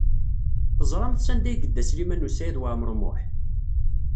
Teẓramt sanda ay yedda Sliman U Saɛid Waɛmaṛ U Muḥ?